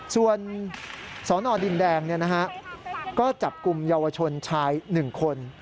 ส่วนสนดินแดงก็จับกลุ่มเยาวชนชาย๑คน